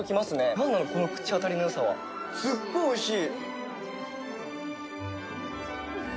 何なの、この口当たりのよさは。すっごいおいしい。